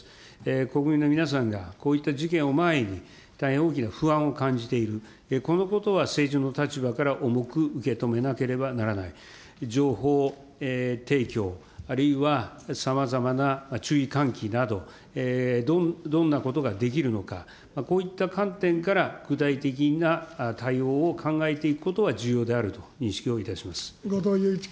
国民の皆さんがこういった事件を前に大変大きな不安を感じている、このことは政治の立場から重く受け止めなければならない、情報提供、あるいはさまざまな注意喚起など、どんなことができるのか、こういった観点から具体的な対応を考えていくことは重要であると後藤祐一君。